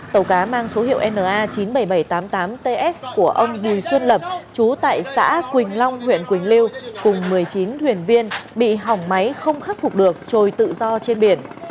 tàu cá mang số hiệu na chín mươi bảy nghìn bảy trăm tám mươi tám ts của ông bùi xuân lập chú tại xã quỳnh long huyện quỳnh lưu cùng một mươi chín thuyền viên bị hỏng máy không khắc phục được rồi tự do trên biển